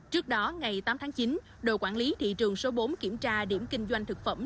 trước đó ngày tám tháng chín đội quản lý thị trường số bốn kiểm tra điểm kinh doanh thực phẩm